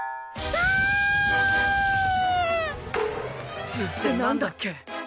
普通って何だっけ。